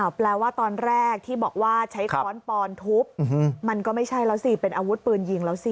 แปลว่าตอนแรกที่บอกว่าใช้ค้อนปอนทุบมันก็ไม่ใช่แล้วสิเป็นอาวุธปืนยิงแล้วสิ